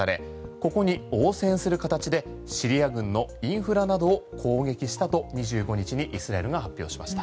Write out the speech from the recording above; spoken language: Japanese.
ここに応戦する形でシリア軍のインフラなどを攻撃したと、２５日にイスラエルが発表しました。